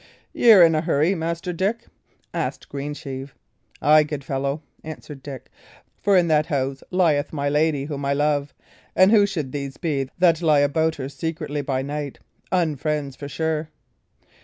"Y' are in a hurry, Master Dick?" asked Greensheve. "Ay, good fellow," answered Dick; "for in that house lieth my lady, whom I love, and who should these be that lie about her secretly by night? Unfriends, for sure!"